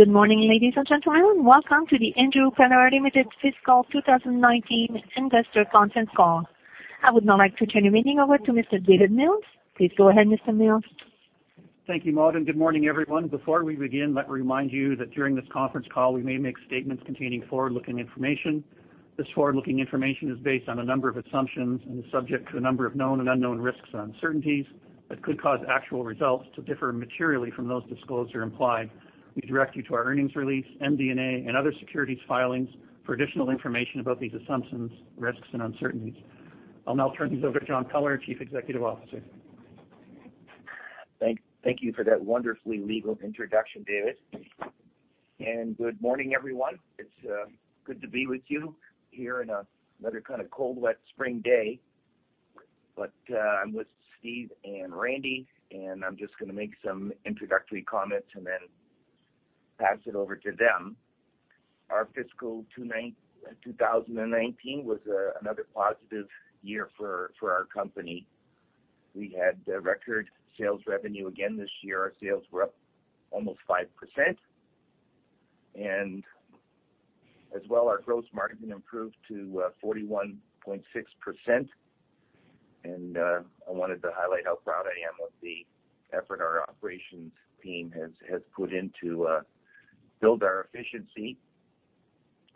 Good morning, ladies and gentlemen. Welcome to the Andrew Peller Limited Fiscal 2019 Investor Conference Call. I would now like to turn the meeting over to Mr. David Mills. Please go ahead, Mr. Mills. Thank you, Maude, good morning, everyone. Before we begin, let me remind you that during this conference call, we may make statements containing forward-looking information. This forward-looking information is based on a number of assumptions and is subject to a number of known and unknown risks and uncertainties that could cause actual results to differ materially from those disclosed or implied. We direct you to our earnings release, MD&A, and other securities filings for additional information about these assumptions, risks, and uncertainties. I'll now turn things over to John Peller, Chief Executive Officer. Thank you for that wonderfully legal introduction, David. Good morning, everyone. It's good to be with you here on another kind of cold, wet spring day. I'm with Steve and Randy, I'm just going to make some introductory comments then pass it over to them. Our Fiscal 2019 was another positive year for our company. We had record sales revenue again this year. Our sales were up almost 5%. As well, our gross margin improved to 41.6%. I wanted to highlight how proud I am of the effort our operations team has put in to build our efficiency.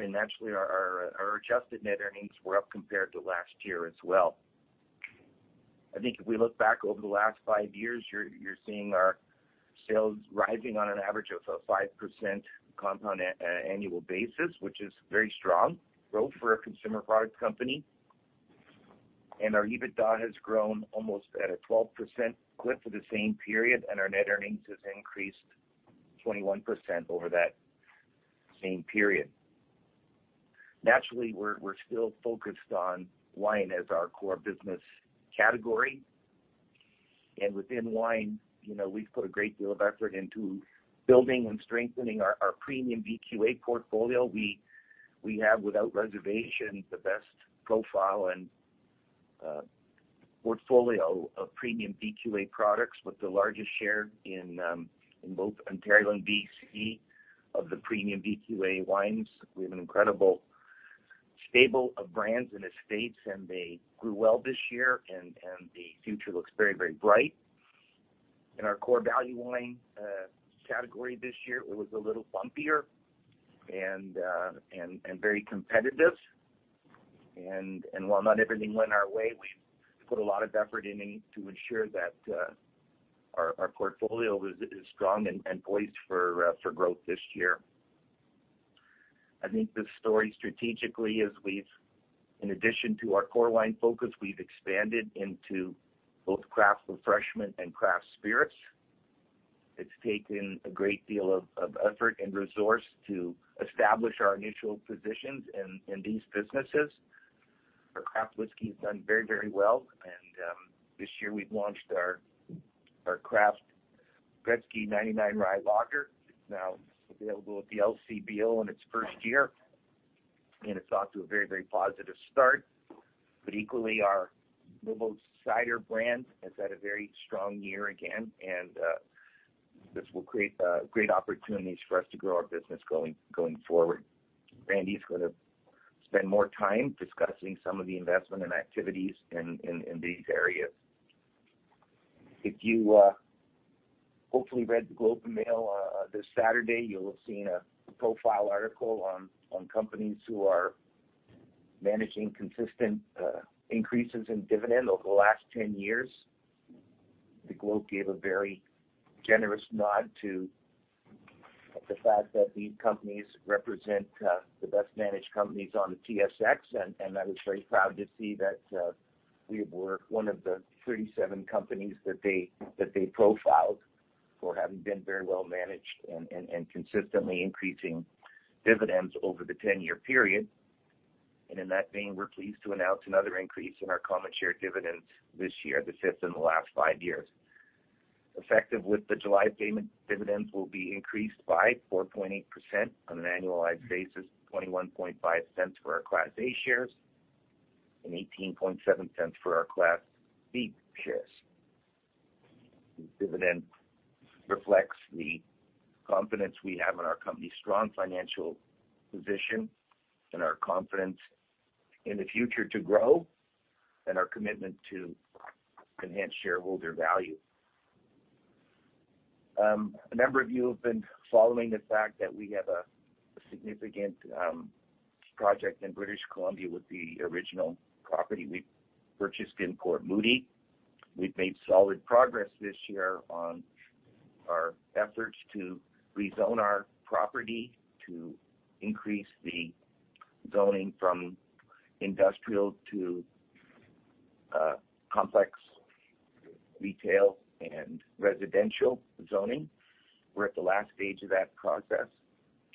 Naturally, our adjusted net earnings were up compared to last year as well. I think if we look back over the last five years, you're seeing our sales rising on an average of a 5% compound annual basis, which is very strong growth for a consumer product company. Our EBITDA has grown almost at a 12% clip for the same period, our net earnings has increased 21% over that same period. Naturally, we're still focused on wine as our core business category. Within wine, we've put a great deal of effort into building and strengthening our premium VQA portfolio. We have, without reservation, the best profile and portfolio of premium VQA products with the largest share in both Ontario and BC of the premium VQA wines. We have an incredible stable of brands and estates, they grew well this year, the future looks very, very bright. In our core value wine category this year, it was a little bumpier and very competitive. While not everything went our way, we put a lot of effort in to ensure that our portfolio is strong and poised for growth this year. I think the story strategically is we've, in addition to our core wine focus, we've expanded into both craft refreshment and craft spirits. It's taken a great deal of effort and resource to establish our initial positions in these businesses. Our craft whiskey has done very, very well, and this year we've launched our craft Gretzky 99 Rye Lager. It's now available at the LCBO in its first year, and it's off to a very, very positive start. Equally, our No Boats on Sunday cider brand has had a very strong year again, and this will create great opportunities for us to grow our business going forward. Randy is going to spend more time discussing some of the investment and activities in these areas. If you hopefully read The Globe and Mail this Saturday, you'll have seen a profile article on companies who are managing consistent increases in dividend over the last 10 years. The Globe gave a very generous nod to the fact that these companies represent the best-managed companies on the TSX, I was very proud to see that we were one of the 37 companies that they profiled for having been very well managed and consistently increasing dividends over the 10-year period. In that vein, we're pleased to announce another increase in our common share dividends this year, the fifth in the last five years. Effective with the July payment, dividends will be increased by 4.8% on an annualized basis, 0.215 for our Class A shares and 0.187 for our Class B shares. This dividend reflects the confidence we have in our company's strong financial position and our confidence in the future to grow and our commitment to enhance shareholder value. A number of you have been following the fact that we have a significant project in British Columbia with the original property we purchased in Port Moody. We've made solid progress this year on our efforts to rezone our property to increase the zoning from industrial to complex retail and residential zoning. We're at the last stage of that process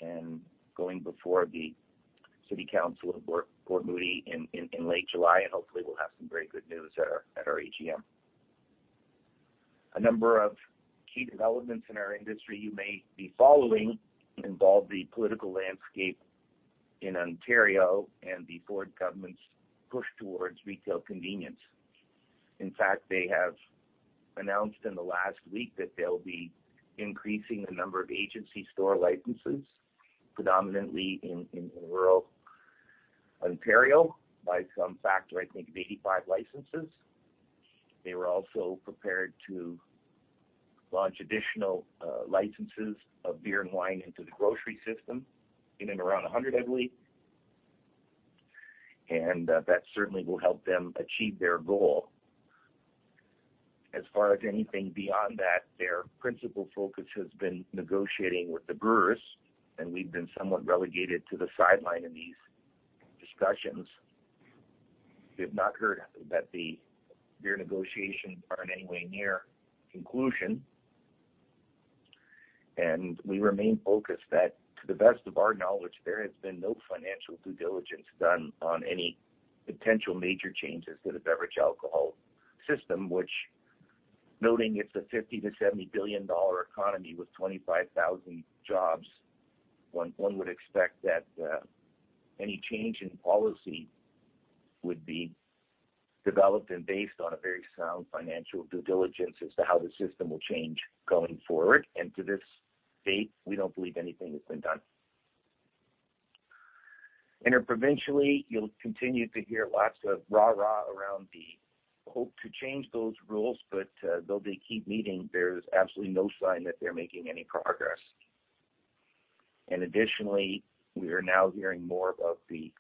and going before the Port Moody City Council in late July, and hopefully we'll have some very good news at our AGM. A number of key developments in our industry you may be following involve the political landscape in Ontario and the Ford government's push towards retail convenience. In fact, they have announced in the last week that they'll be increasing the number of agency store licenses, predominantly in rural Ontario, by some factor, I think, of 85 licenses. They were also prepared to launch additional licenses of beer and wine into the grocery system, in and around 100, I believe. That certainly will help them achieve their goal. As far as anything beyond that, their principal focus has been negotiating with the brewers, and we've been somewhat relegated to the sideline in these discussions. We have not heard that the beer negotiations are in any way near conclusion. We remain focused that, to the best of our knowledge, there has been no financial due diligence done on any potential major changes to the beverage alcohol system, which, noting it's a 50 billion-70 billion dollar economy with 25,000 jobs, one would expect that any change in policy would be developed and based on a very sound financial due diligence as to how the system will change going forward. To this date, we don't believe anything has been done. Interprovincially, you'll continue to hear lots of rah-rah around the hope to change those rules, though they keep meeting, there's absolutely no sign that they're making any progress. Additionally, we are now hearing more about the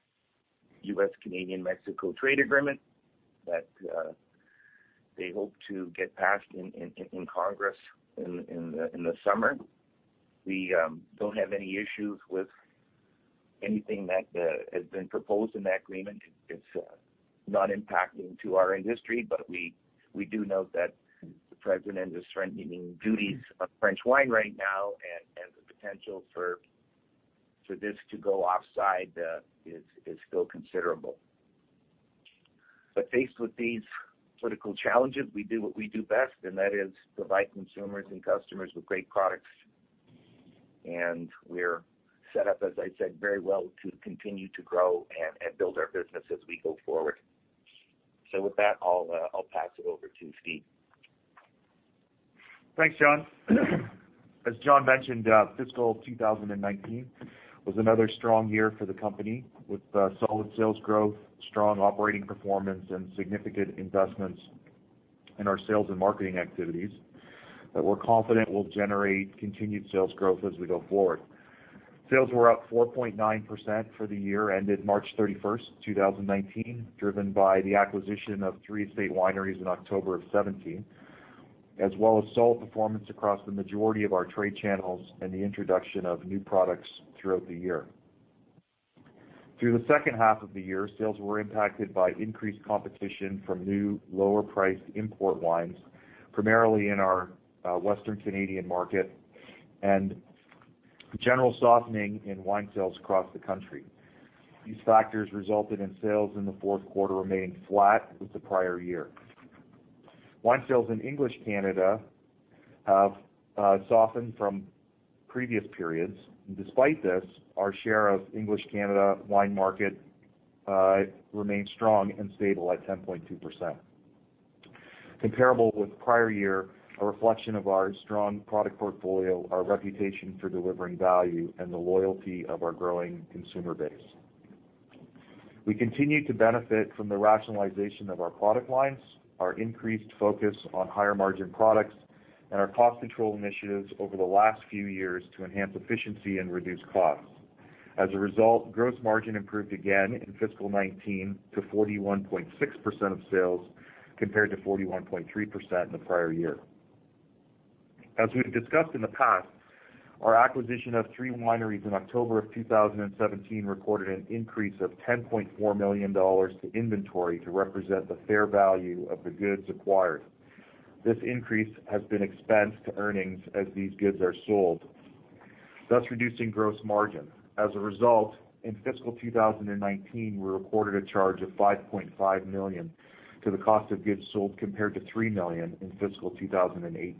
U.S.-Canadian-Mexico trade agreement that they hope to get passed in Congress in the summer. We don't have any issues with anything that has been proposed in that agreement. It's not impacting to our industry, we do note that the president is strengthening duties on French wine right now, and the potential for this to go offside is still considerable. Faced with these political challenges, we do what we do best, and that is provide consumers and customers with great products. We're set up, as I said, very well to continue to grow and build our business as we go forward. With that, I'll pass it over to Steve. Thanks, John. As John mentioned, fiscal 2019 was another strong year for the company, with solid sales growth, strong operating performance, and significant investments in our sales and marketing activities that we're confident will generate continued sales growth as we go forward. Sales were up 4.9% for the year ended March 31st, 2019, driven by the acquisition of three estate wineries in October of 2017, as well as solid performance across the majority of our trade channels and the introduction of new products throughout the year. Through the second half of the year, sales were impacted by increased competition from new lower-priced import wines, primarily in our Western Canadian market, and general softening in wine sales across the country. These factors resulted in sales in the fourth quarter remaining flat with the prior year. Wine sales in English Canada have softened from previous periods. Despite this, our share of English Canada wine market remains strong and stable at 10.2%. Comparable with prior year, a reflection of our strong product portfolio, our reputation for delivering value, and the loyalty of our growing consumer base. We continue to benefit from the rationalization of our product lines, our increased focus on higher-margin products, and our cost control initiatives over the last few years to enhance efficiency and reduce costs. As a result, gross margin improved again in fiscal 2019 to 41.6% of sales compared to 41.3% in the prior year. As we've discussed in the past, our acquisition of three wineries in October of 2017 recorded an increase of 10.4 million dollars to inventory to represent the fair value of the goods acquired. This increase has been expensed to earnings as these goods are sold, thus reducing gross margin. As a result, in fiscal 2019, we recorded a charge of 5.5 million to the cost of goods sold compared to 3 million in fiscal 2018.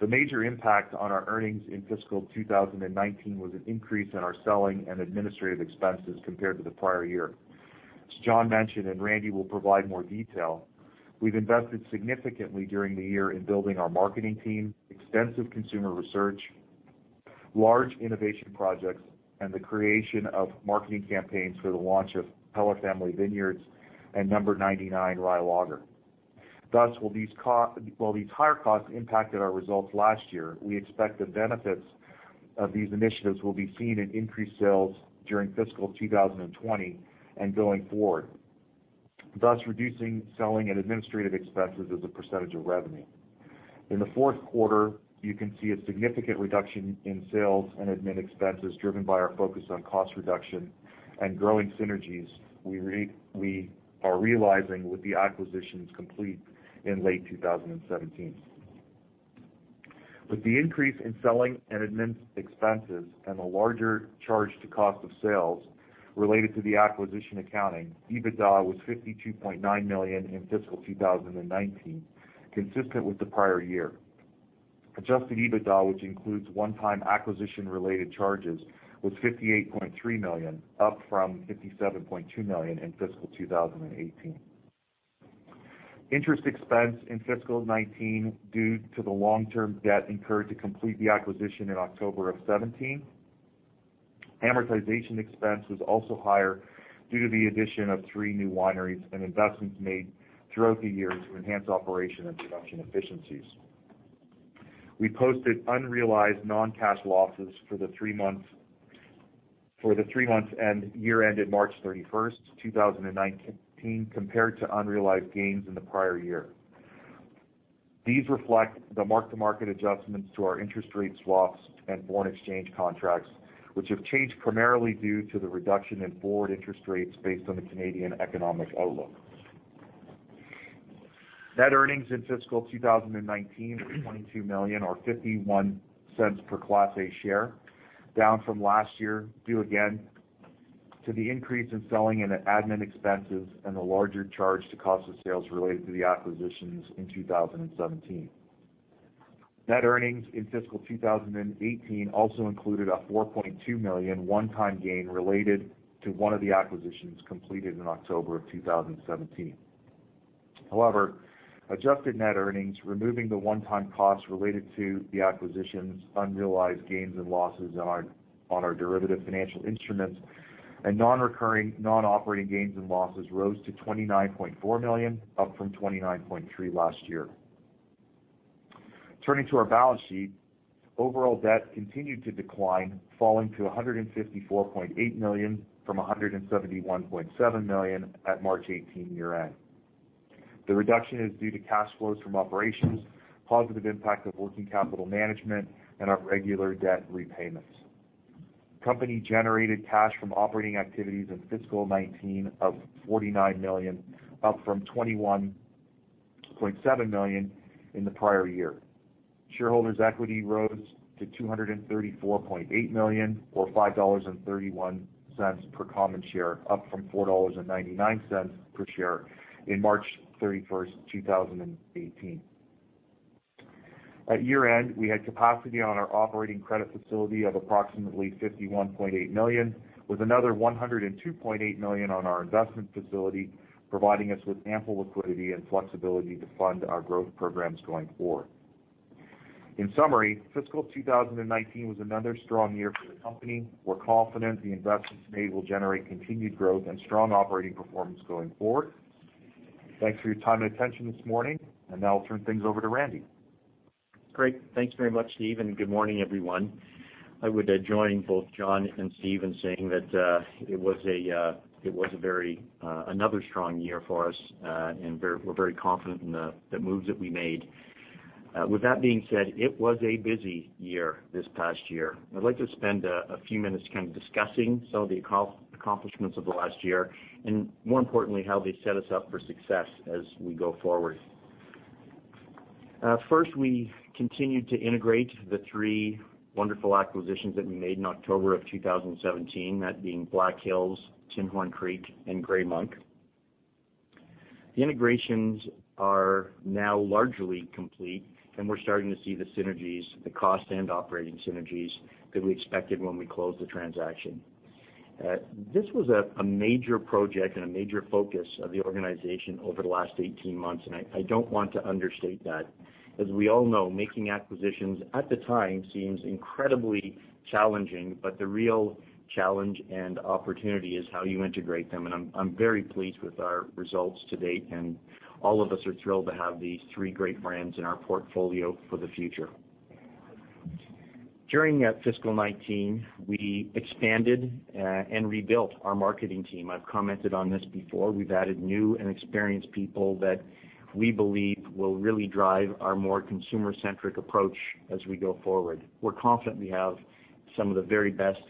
The major impact on our earnings in fiscal 2019 was an increase in our selling and administrative expenses compared to the prior year. As John mentioned, and Randy will provide more detail, we've invested significantly during the year in building our marketing team, extensive consumer research, large innovation projects, and the creation of marketing campaigns for the launch of Peller Family Vineyards and No. 99 Rye Lager. Thus, while these higher costs impacted our results last year, we expect the benefits of these initiatives will be seen in increased sales during fiscal 2020 and going forward, thus reducing selling and administrative expenses as a percentage of revenue. In the fourth quarter, you can see a significant reduction in sales and admin expenses driven by our focus on cost reduction and growing synergies we are realizing with the acquisitions complete in late 2017. With the increase in selling and admin expenses and the larger charge to cost of sales related to the acquisition accounting, EBITDA was 52.9 million in fiscal 2019, consistent with the prior year. Adjusted EBITDA, which includes one-time acquisition related charges, was 58.3 million, up from 57.2 million in fiscal 2018. Interest expense in fiscal 2019, due to the long-term debt incurred to complete the acquisition in October of 2017. Amortization expense was also higher due to the addition of three new wineries and investments made throughout the year to enhance operation and production efficiencies. We posted unrealized non-cash losses for the three months and year-ended March 31st, 2019, compared to unrealized gains in the prior year. These reflect the mark-to-market adjustments to our interest rate swaps and foreign exchange contracts, which have changed primarily due to the reduction in forward interest rates based on the Canadian economic outlook. Net earnings in fiscal 2019 were 22 million, or 0.51 per Class A share, down from last year due again to the increase in selling and admin expenses and the larger charge to cost of sales related to the acquisitions in 2017. Net earnings in fiscal 2018 also included a 4.2 million one-time gain related to one of the acquisitions completed in October of 2017. Adjusted net earnings, removing the one-time costs related to the acquisitions, unrealized gains and losses on our derivative financial instruments, and non-recurring non-operating gains and losses rose to 29.4 million, up from 29.3 million last year. Turning to our balance sheet, overall debt continued to decline, falling to 154.8 million from 171.7 million at March 2018 year-end. The reduction is due to cash flows from operations, positive impact of working capital management, and our regular debt repayments. Company generated cash from operating activities in fiscal 2019 of 49 million, up from 21.7 million in the prior year. Shareholders' equity rose to 234.8 million, or 5.31 dollars per common share, up from 4.99 dollars per share in March 31st, 2018. At year-end, we had capacity on our operating credit facility of approximately 51.8 million, with another 102.8 million on our investment facility, providing us with ample liquidity and flexibility to fund our growth programs going forward. In summary, fiscal 2019 was another strong year for the company. We're confident the investments made will generate continued growth and strong operating performance going forward. Thanks for your time and attention this morning. Now I'll turn things over to Randy. Great. Thank you very much, Steve. Good morning, everyone. I would join both John and Steve in saying that it was another strong year for us. We're very confident in the moves that we made. With that being said, it was a busy year this past year. I'd like to spend a few minutes kind of discussing some of the accomplishments of the last year. More importantly, how they set us up for success as we go forward. First, we continued to integrate the three wonderful acquisitions that we made in October of 2017, that being Black Hills, Tinhorn Creek, and Gray Monk. The integrations are now largely complete. We're starting to see the synergies, the cost and operating synergies that we expected when we closed the transaction. This was a major project and a major focus of the organization over the last 18 months. I don't want to understate that. As we all know, making acquisitions at the time seems incredibly challenging. The real challenge and opportunity is how you integrate them. I'm very pleased with our results to date. All of us are thrilled to have these three great brands in our portfolio for the future. During fiscal 2019, we expanded, rebuilt our marketing team. I've commented on this before. We've added new and experienced people that we believe will really drive our more consumer-centric approach as we go forward. We're confident we have some of the very best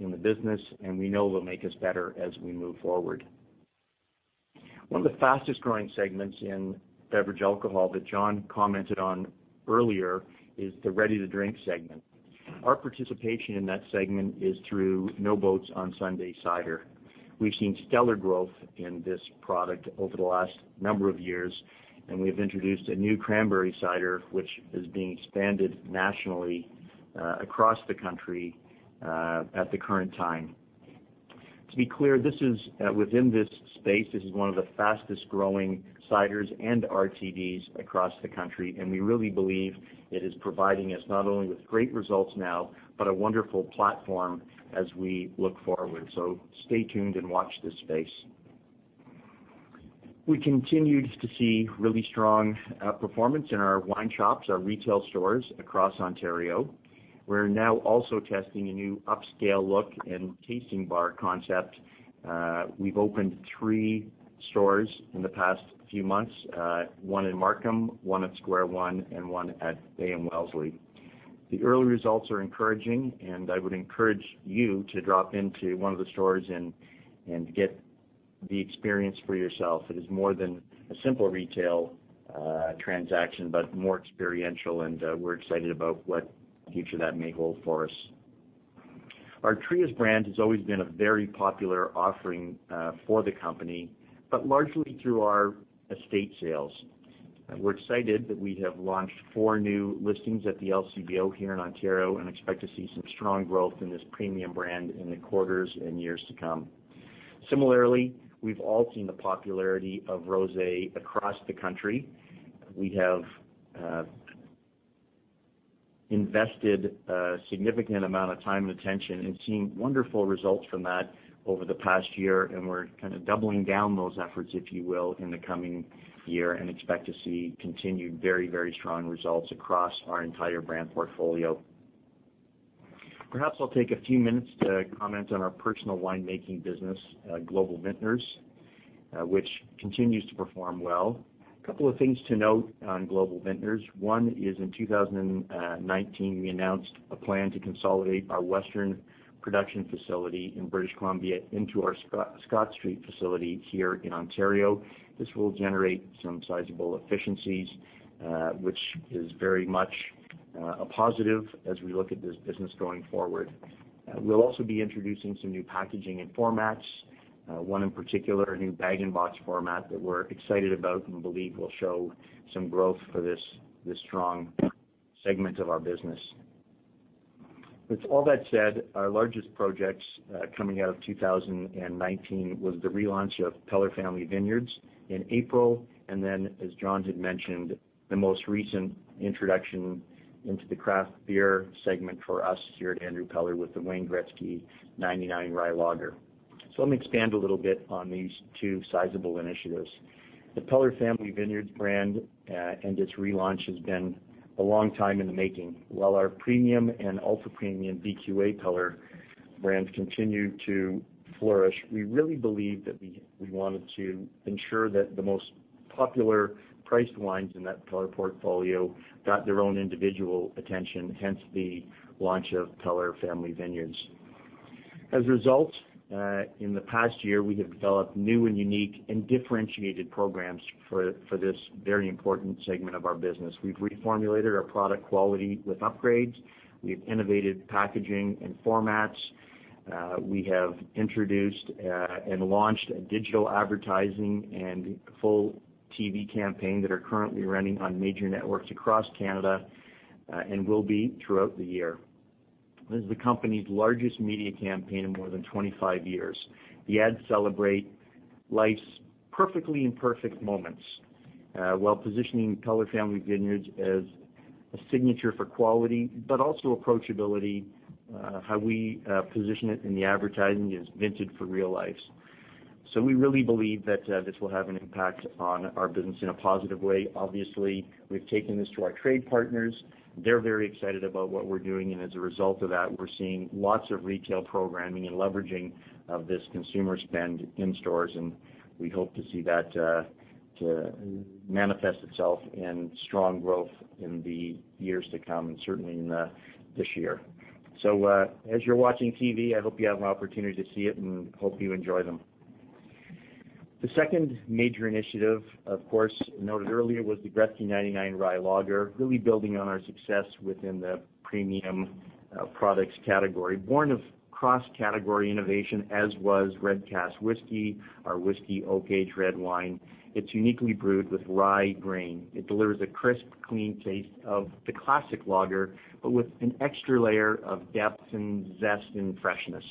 in the business. We know will make us better as we move forward. One of the fastest-growing segments in beverage alcohol that John commented on earlier is the ready-to-drink segment. Our participation in that segment is through No Boats on Sunday cider. We've seen stellar growth in this product over the last number of years. We've introduced a new cranberry cider, which is being expanded nationally across the country at the current time. To be clear, within this space, this is one of the fastest-growing ciders and RTDs across the country. We really believe it is providing us not only with great results now, but a wonderful platform as we look forward. Stay tuned and watch this space. We continued to see really strong performance in our wine shops, our retail stores across Ontario. We're now also testing a new upscale look and tasting bar concept. We've opened three stores in the past few months, one in Markham, one at Square One, one at Bay and Wellesley. The early results are encouraging. I would encourage you to drop into one of the stores and get the experience for yourself. It is more than a simple retail transaction, but more experiential. We're excited about what future that may hold for us. Our Trius brand has always been a very popular offering for the company, but largely through our estate sales. We're excited that we have launched 4 new listings at the LCBO here in Ontario and expect to see some strong growth in this premium brand in the quarters and years to come. Similarly, we've all seen the popularity of rosé across the country. We have invested a significant amount of time and attention and seen wonderful results from that over the past year. We're kind of doubling down those efforts, if you will, in the coming year and expect to see continued very strong results across our entire brand portfolio. Perhaps I'll take a few minutes to comment on our personal winemaking business, Global Vintners, which continues to perform well. A couple of things to note on Global Vintners. One is in 2019, we announced a plan to consolidate our western production facility in British Columbia into our Scott Street facility here in Ontario. This will generate some sizable efficiencies, which is very much a positive as we look at this business going forward. We'll also be introducing some new packaging and formats. One in particular, a new bag-in-box format that we're excited about and believe will show some growth for this strong segment of our business. With all that said, our largest projects coming out of 2019 was the relaunch of Peller Family Vineyards in April, and then, as John had mentioned, the most recent introduction into the craft beer segment for us here at Andrew Peller with the Wayne Gretzky No. 99 Rye Lager. Let me expand a little bit on these 2 sizable initiatives. The Peller Family Vineyards brand and its relaunch has been a long time in the making. While our premium and ultra-premium VQA Peller brands continue to flourish, we really believe that we wanted to ensure that the most popular priced wines in that Peller portfolio got their own individual attention, hence the launch of Peller Family Vineyards. As a result, in the past year, we have developed new and unique and differentiated programs for this very important segment of our business. We've reformulated our product quality with upgrades. We've innovated packaging and formats. We have introduced and launched a digital advertising and full TV campaign that are currently running on major networks across Canada and will be throughout the year. This is the company's largest media campaign in more than 25 years. The ads celebrate life's perfectly imperfect moments while positioning Peller Family Vineyards as a signature for quality, but also approachability. How we position it in the advertising is vinted for real lives. We really believe that this will have an impact on our business in a positive way. Obviously, we've taken this to our trade partners. They're very excited about what we're doing, as a result of that, we're seeing lots of retail programming and leveraging of this consumer spend in stores, we hope to see that manifest itself in strong growth in the years to come, and certainly in this year. As you're watching TV, I hope you have an opportunity to see it and hope you enjoy them. The second major initiative, of course, noted earlier was the Gretzky No. 99 Rye Lager, really building on our success within the premium products category. Born of cross-category innovation, as was Red Cask Whisky, our whiskey oak-aged red wine. It's uniquely brewed with rye grain. It delivers a crisp, clean taste of the classic lager, but with an extra layer of depth and zest and freshness.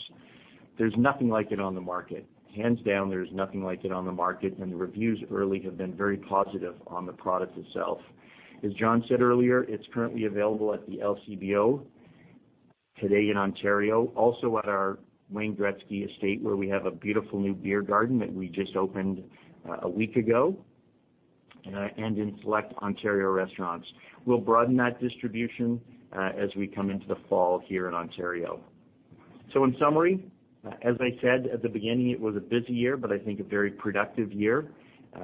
There's nothing like it on the market. Hands down, there's nothing like it on the market, the reviews early have been very positive on the product itself. As John said earlier, it's currently available at the LCBO today in Ontario, also at our Wayne Gretzky Estates, where we have a beautiful new beer garden that we just opened a week ago, and in select Ontario restaurants. We'll broaden that distribution as we come into the fall here in Ontario. In summary, as I said at the beginning, it was a busy year, I think a very productive year.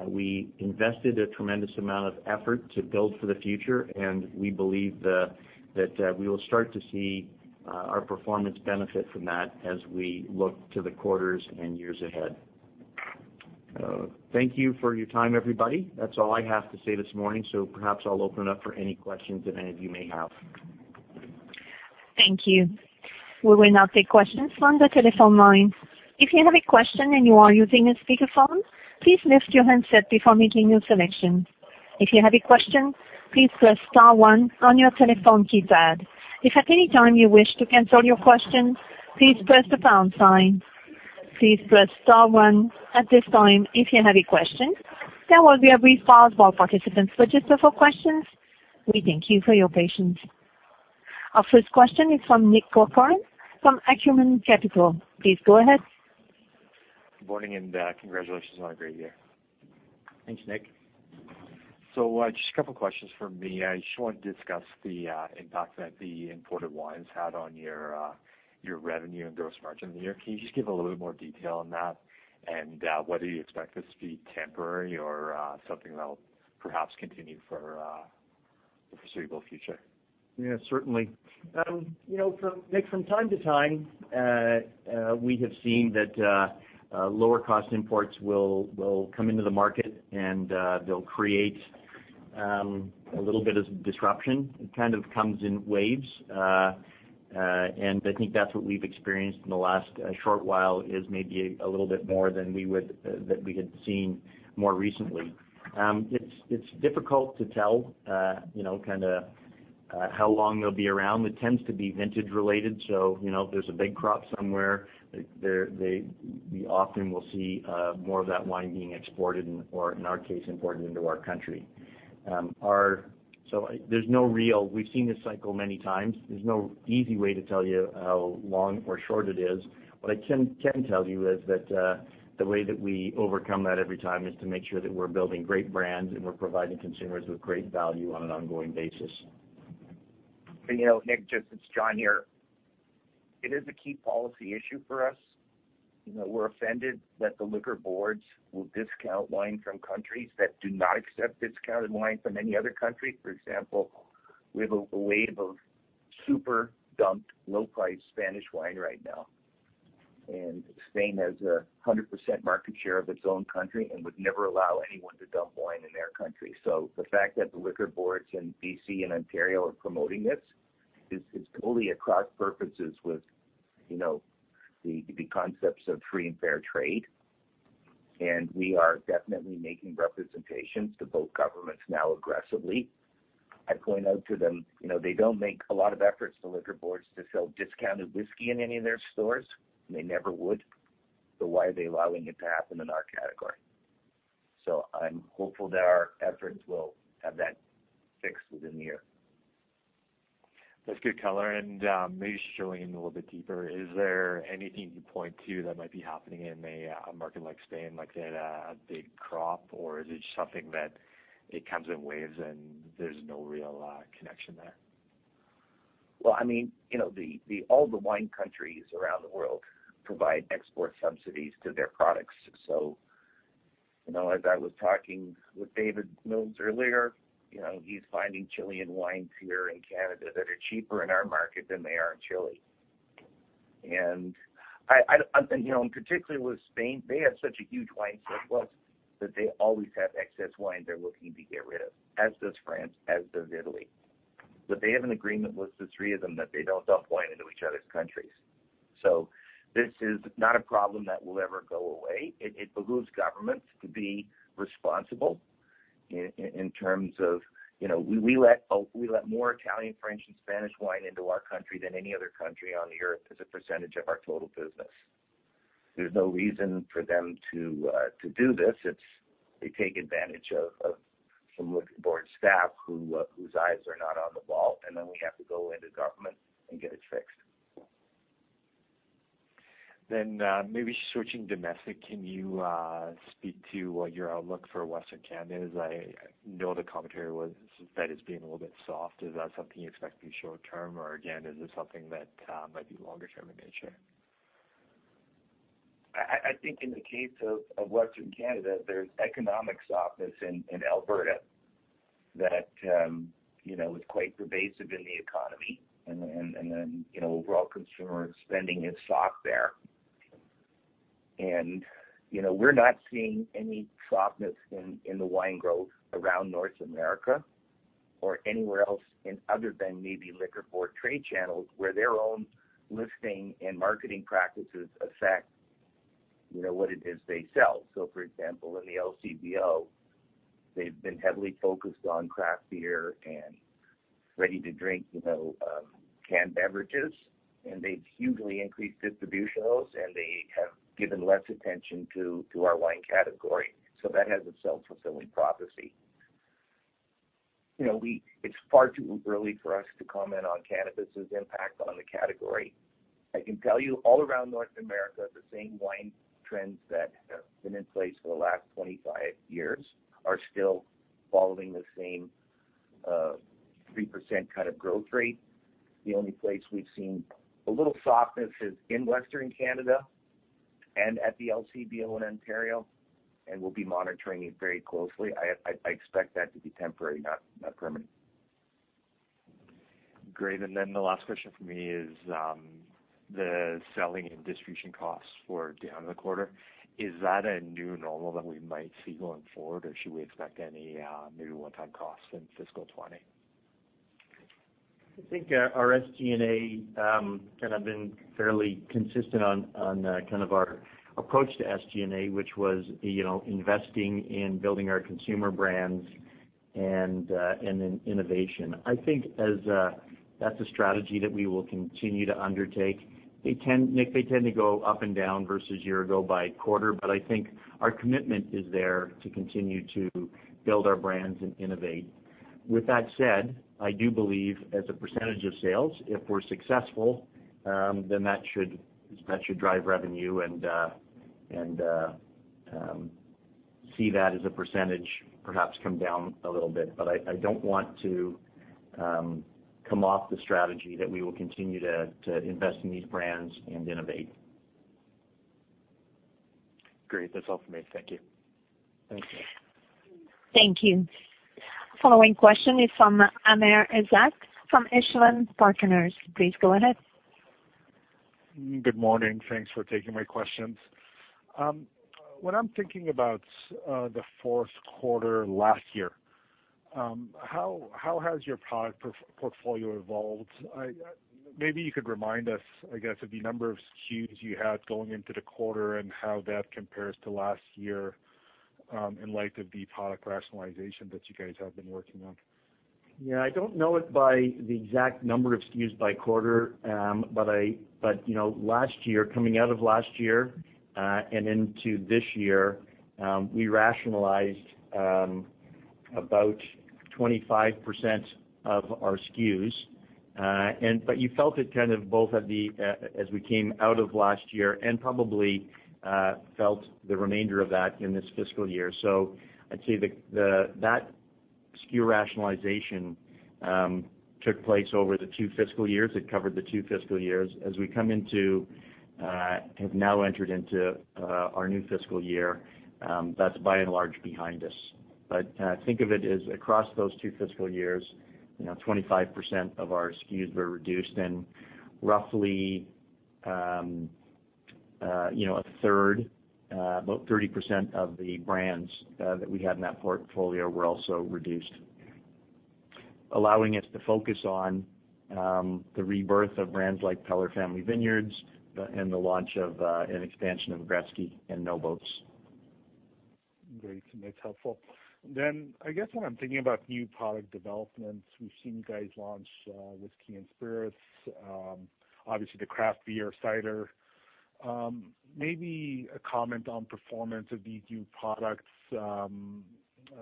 We invested a tremendous amount of effort to build for the future, we believe that we will start to see our performance benefit from that as we look to the quarters and years ahead. Thank you for your time, everybody. That's all I have to say this morning, perhaps I'll open it up for any questions that any of you may have. Thank you. We will now take questions from the telephone line. If you have a question and you are using a speakerphone, please lift your handset before making your selection. If you have a question, please press star one on your telephone keypad. If at any time you wish to cancel your question, please press the pound sign. Please press star one at this time if you have a question. There will be a brief pause while participants register for questions. We thank you for your patience. Our first question is from Nick Corcoran from Acumen Capital Partners. Please go ahead. Good morning, congratulations on a great year. Thanks, Nick. Just a couple of questions from me. I just wanted to discuss the impact that the imported wines had on your revenue and gross margin here. Can you just give a little bit more detail on that, and whether you expect this to be temporary or something that will perhaps continue for the foreseeable future? Yeah, certainly. Nick, from time to time, we have seen that lower-cost imports will come into the market and they'll create A little bit of disruption. It kind of comes in waves. I think that's what we've experienced in the last short while is maybe a little bit more than we had seen more recently. It's difficult to tell how long they'll be around. It tends to be vintage related, so if there's a big crop somewhere, we often will see more of that wine being exported or, in our case, imported into our country. We've seen this cycle many times. There's no easy way to tell you how long or short it is. What I can tell you is that the way that we overcome that every time is to make sure that we're building great brands, and we're providing consumers with great value on an ongoing basis. Nick, just it's John here. It is a key policy issue for us. We're offended that the liquor boards will discount wine from countries that do not accept discounted wine from any other country. For example, we have a wave of super dumped low-price Spanish wine right now. Spain has 100% market share of its own country and would never allow anyone to dump wine in their country. The fact that the liquor boards in B.C. and Ontario are promoting this is totally at cross purposes with the concepts of free and fair trade, and we are definitely making representations to both governments now aggressively. I point out to them, they don't make a lot of efforts, the liquor boards, to sell discounted whiskey in any of their stores, and they never would. Why are they allowing it to happen in our category? I'm hopeful that our efforts will have that fixed within the year. That's good color, maybe just drilling in a little bit deeper, is there anything you can point to that might be happening in a market like Spain, like they had a big crop, or is it something that it comes in waves and there's no real connection there? All the wine countries around the world provide export subsidies to their products. As I was talking with David Mills earlier, he's finding Chilean wines here in Canada that are cheaper in our market than they are in Chile. Particularly with Spain, they have such a huge wine surplus that they always have excess wine they're looking to get rid of, as does France, as does Italy. They have an agreement with the three of them that they don't dump wine into each other's countries. This is not a problem that will ever go away. It behooves governments to be responsible in terms of, we let more Italian, French, and Spanish wine into our country than any other country on the Earth as a percentage of our total business. There's no reason for them to do this. It's they take advantage of some liquor board staff whose eyes are not on the ball, then we have to go into government and get it fixed. Maybe switching domestic, can you speak to what your outlook for Western Canada is? I know the commentary was that it's been a little bit soft. Is that something you expect to be short-term, or again, is this something that might be longer-term in nature? I think in the case of Western Canada, there's economic softness in Alberta that is quite pervasive in the economy, overall consumer spending is soft there. We're not seeing any softness in the wine growth around North America or anywhere else in other than maybe liquor board trade channels where their own listing and marketing practices affect what it is they sell. For example, in the LCBO, they've been heavily focused on craft beer and ready-to-drink canned beverages, they've hugely increased distribution of those, they have given less attention to our wine category. That has a self-fulfilling prophecy. It's far too early for us to comment on cannabis' impact on the category. I can tell you all around North America, the same wine trends that have been in place for the last 25 years are still following the same 3% kind of growth rate. The only place we've seen a little softness is in Western Canada and at the LCBO in Ontario. We'll be monitoring it very closely. I expect that to be temporary, not permanent. Great. Then the last question from me is the selling and distribution costs were down in the quarter. Is that a new normal that we might see going forward, or should we expect any maybe one-time costs in fiscal 2020? I think our SG&A, and I've been fairly consistent on kind of our approach to SG&A, which was investing in building our consumer brands and in innovation. I think that's a strategy that we will continue to undertake. Nick, they tend to go up and down versus year ago by quarter, but I think our commitment is there to continue to build our brands and innovate. With that said, I do believe as a percentage of sales, if we're successful, then that should drive revenue and see that as a percentage perhaps come down a little bit. I don't want to come off the strategy that we will continue to invest in these brands and innovate. Great. That's all from me. Thank you. Thanks, Nick. Thank you. Following question is from Amr Ezzat from Echelon Wealth Partners. Please go ahead. Good morning. Thanks for taking my questions. When I'm thinking about the fourth quarter last year, how has your product portfolio evolved? Maybe you could remind us, I guess, of the number of SKUs you had going into the quarter and how that compares to last year, in light of the product rationalization that you guys have been working on. Yeah. I don't know it by the exact number of SKUs by quarter. Coming out of last year and into this year, we rationalized about 25% of our SKUs. You felt it kind of both as we came out of last year, and probably felt the remainder of that in this fiscal year. I'd say that SKU rationalization took place over the two fiscal years. It covered the two fiscal years. As we have now entered into our new fiscal year, that's by and large behind us. Think of it as across those two fiscal years, 25% of our SKUs were reduced, and roughly a third, about 30% of the brands that we had in that portfolio were also reduced, allowing us to focus on the rebirth of brands like Peller Family Vineyards and the launch of an expansion of Gretzky and No Boats. Great. That's helpful. I guess when I'm thinking about new product developments, we've seen you guys launch whiskey and spirits, obviously the craft beer cider. Maybe a comment on performance of these new products.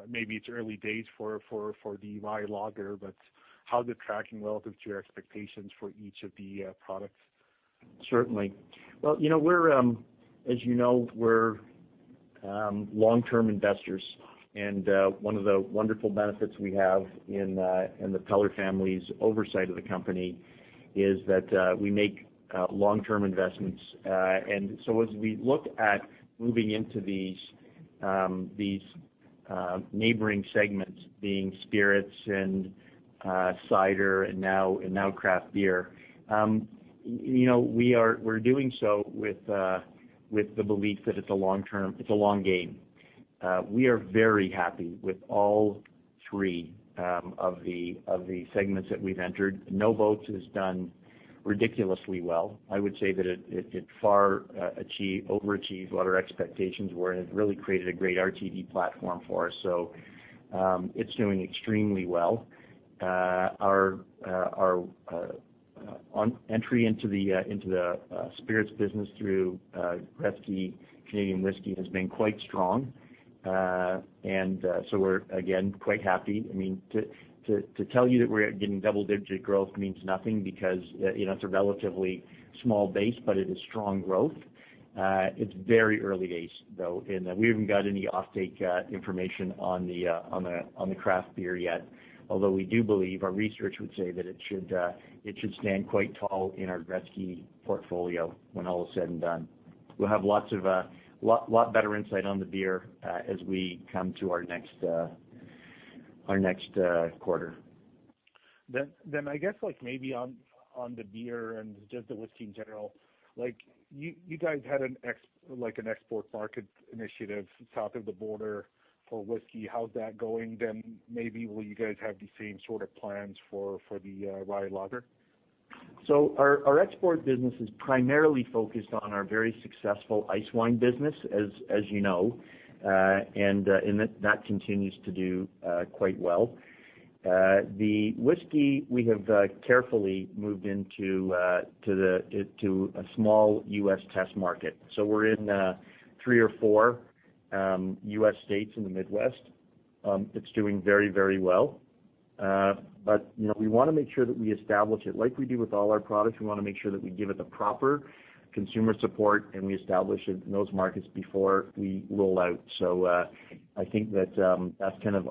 Maybe it's early days for the rye lager, but how's it tracking relative to your expectations for each of the products? Certainly. Well, as you know, we're long-term investors, and one of the wonderful benefits we have in the Peller family's oversight of the company is that we make long-term investments. As we look at moving into these neighboring segments, being spirits and cider and now craft beer, we're doing so with the belief that it's a long game. We are very happy with all three of the segments that we've entered. No Boats has done ridiculously well. I would say that it far overachieved what our expectations were and has really created a great RTD platform for us. It's doing extremely well. Our entry into the spirits business through Gretzky Canadian Whisky has been quite strong. We're, again, quite happy. To tell you that we're getting double-digit growth means nothing because it's a relatively small base, but it is strong growth. It's very early days, though, in that we haven't got any offtake information on the craft beer yet. We do believe our research would say that it should stand quite tall in our Gretzky portfolio when all is said and done. We'll have a lot better insight on the beer as we come to our next quarter. I guess maybe on the beer and just the whiskey in general, you guys had an export market initiative south of the border for whiskey. How's that going then? Will you guys have the same sort of plans for the rye lager? Our export business is primarily focused on our very successful ice wine business, as you know. That continues to do quite well. The whiskey we have carefully moved into a small U.S. test market. We're in three or four U.S. states in the Midwest. It's doing very well. We want to make sure that we establish it like we do with all our products. We want to make sure that we give it the proper consumer support, and we establish it in those markets before we roll out. I think that's kind of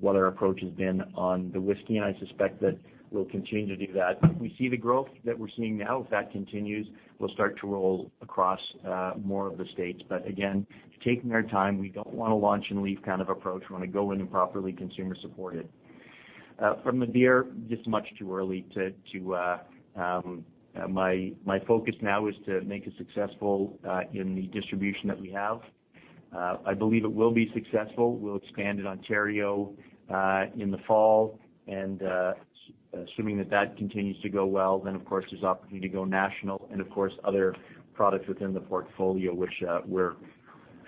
what our approach has been on the whiskey, and I suspect that we'll continue to do that. If we see the growth that we're seeing now, if that continues, we'll start to roll across more of the States. Taking our time, we don't want to launch and leave kind of approach. We want to go in and properly consumer support it. From the beer, just much too early. My focus now is to make it successful in the distribution that we have. I believe it will be successful. We'll expand in Ontario in the fall. Assuming that that continues to go well, then, of course, there's opportunity to go national and of course, other products within the portfolio which we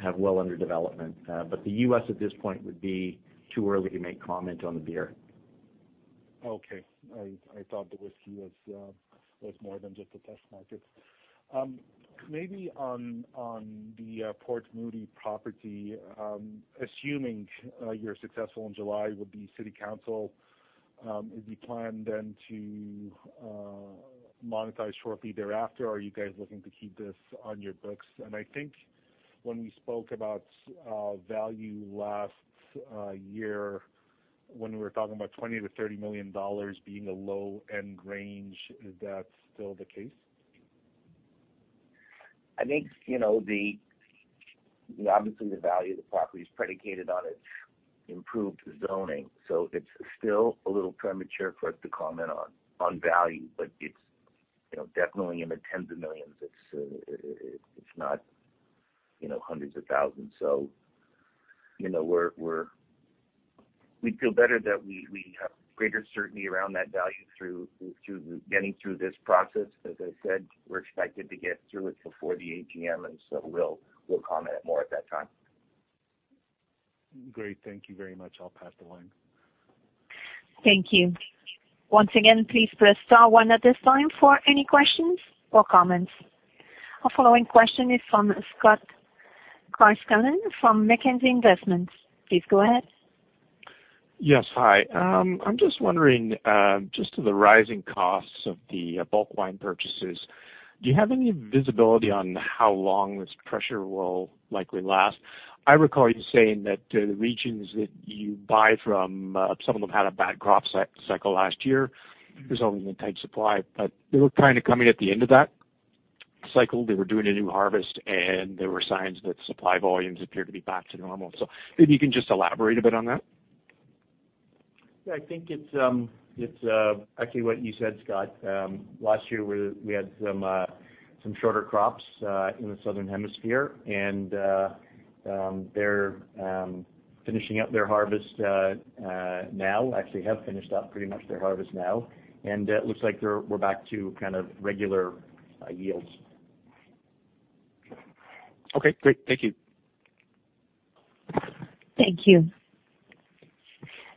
have well under development. The U.S. at this point would be too early to make comment on the beer. Okay. I thought the whisky was more than just a test market. Maybe on the Port Moody property, assuming you're successful in July with the City Council, is the plan then to monetize shortly thereafter, or are you guys looking to keep this on your books? I think when we spoke about value last year, when we were talking about 20 million-30 million dollars being a low-end range, is that still the case? I think, obviously the value of the property is predicated on its improved zoning, it's still a little premature for us to comment on value, it's definitely in the tens of millions. It's not hundreds of thousands. We feel better that we have greater certainty around that value through getting through this process. As I said, we're expected to get through it before the AGM, we'll comment more at that time. Great. Thank you very much. I'll pass the line. Thank you. Once again, please press star one at this time for any questions or comments. Our following question is from Scott Carswell from Mackenzie Investments. Please go ahead. Yes. Hi. I'm just wondering, just to the rising costs of the bulk wine purchases, do you have any visibility on how long this pressure will likely last? I recall you saying that the regions that you buy from, some of them had a bad crop cycle last year, resulting in tight supply, but they were kind of coming at the end of that cycle. They were doing a new harvest, and there were signs that supply volumes appear to be back to normal. Maybe you can just elaborate a bit on that. Yeah, I think it's actually what you said, Scott. Last year, we had some shorter crops in the southern hemisphere. They're finishing up their harvest now. Actually have finished up pretty much their harvest now, and it looks like we're back to kind of regular yields. Okay, great. Thank you. Thank you.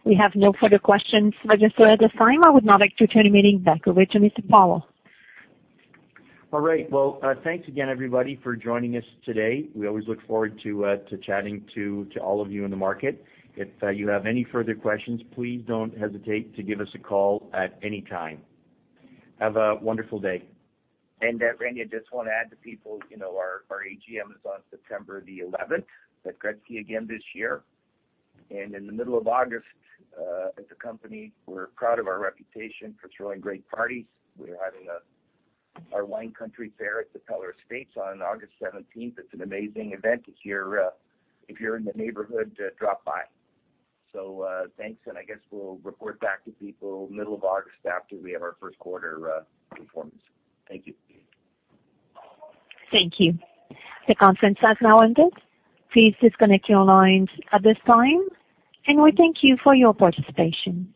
We have no further questions registered at this time. I would now like to turn the meeting back over to Mr. Peller. All right. Well, thanks again everybody for joining us today. We always look forward to chatting to all of you in the market. If you have any further questions, please don't hesitate to give us a call at any time. Have a wonderful day. Randy, I just want to add to people, our AGM is on September the 11th at Gretzky again this year. In the middle of August, as a company, we are proud of our reputation for throwing great parties. We are having our Wine Country Fare at the Peller Estates on August 17th. It is an amazing event. If you are in the neighborhood, drop by. Thanks, and I guess we will report back to people middle of August after we have our first quarter performance. Thank you. Thank you. The conference has now ended. Please disconnect your lines at this time, and we thank you for your participation.